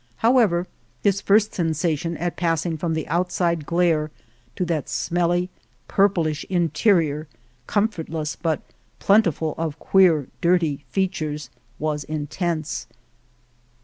However, this first sensation at passing from the outside glare to that smelly, purplish interior, comfortless but plentiful of queer, dirty features, was intense.